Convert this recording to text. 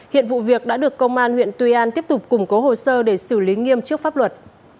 hiện vụ việc đã được công an huyện tuy an tiếp tục củng cố hồ sơ để xử lý nghiêm trước pháp luật